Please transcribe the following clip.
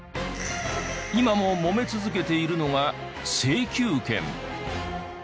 今ももめ続けているのが請求権。